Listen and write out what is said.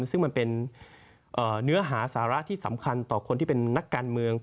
ซึ่งมันเป็นเนื้อหาสาระที่สำคัญต่อคนที่เป็นนักการเมือง